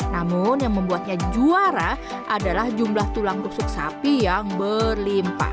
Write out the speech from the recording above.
namun yang membuatnya juara adalah jumlah tulang tusuk sapi yang berlimpah